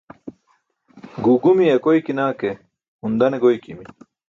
Guu gumiye akoykina ke hun dane goykimi